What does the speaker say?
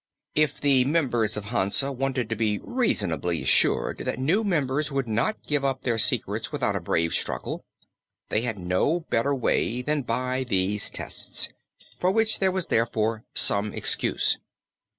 If the members of Hansa wanted to be reasonably assured that new members would not give up their secrets without a brave struggle, they had no better way than by these tests, for which there was therefore some excuse.